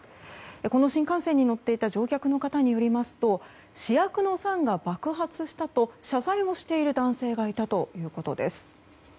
この新幹線に乗っていた乗客の方によりますと試薬の酸が爆発したと謝罪をしている男性がいたということです。